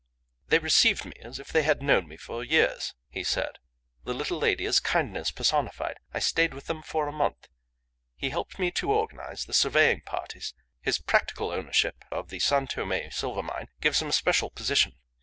"They received me as if they had known me for years," he said. "The little lady is kindness personified. I stayed with them for a month. He helped me to organize the surveying parties. His practical ownership of the San Tome silver mine gives him a special position.